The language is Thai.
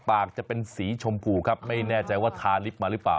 ปากจะเป็นสีชมพูครับไม่แน่ใจว่าทาลิฟต์มาหรือเปล่า